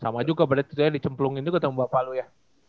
sama juga berarti ditempat dicemplungin juga ketemu bapak lo ya